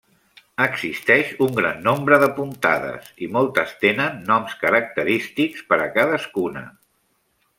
Existeix un gran nombre de puntades, i moltes tenen noms característics per a cadascuna.